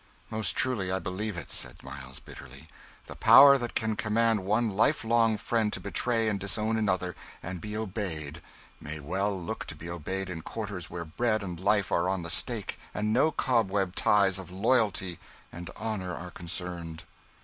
"Most truly I believe it," said Miles, bitterly. "The power that can command one life long friend to betray and disown another, and be obeyed, may well look to be obeyed in quarters where bread and life are on the stake and no cobweb ties of loyalty and honour are concerned."